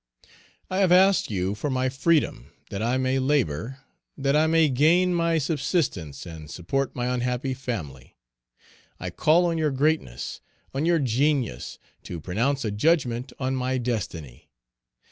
"I have asked you for my freedom that I may labor, that I may gain my subsistence and support my unhappy family. I call on your greatness, on your genius, to pronounce a judgment on my destiny.